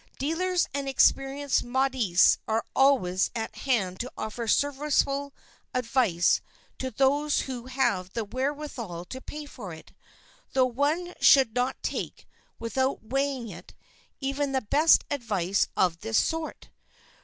Dealers and experienced modistes are always at hand to offer serviceable advice to those who have the wherewithal to pay for it, though one should not take, without weighing it, even the best advice of this sort.